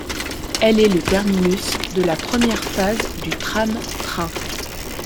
Elle est le terminus de la première phase du tram-train.